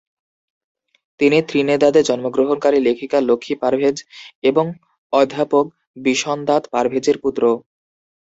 তিনি ত্রিনিদাদে জন্মগ্রহণকারী লেখিকা লক্ষ্মী পারভেজ এবং অধ্যাপক বিশনদাত পারভেজের পুত্র।